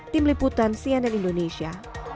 tim liputan cnn indonesia